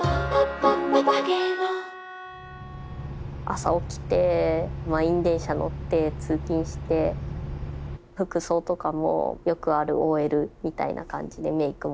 朝起きて満員電車乗って通勤して服装とかもよくあるＯＬみたいな感じでメークも一応して。